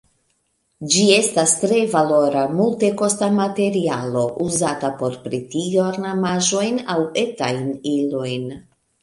Ĝi estas tre valora, multekosta materialo, uzata por pretigi ornamaĵojn aŭ etajn ilojn.